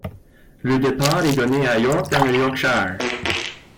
Le départ est donné à York, dans le Yorkshire.